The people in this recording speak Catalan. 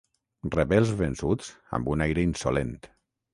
Rebé els vençuts amb un aire insolent.